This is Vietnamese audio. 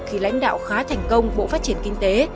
khi lãnh đạo khá thành công bộ phát triển kinh tế